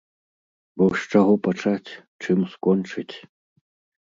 Бо з чаго пачаць, чым скончыць?!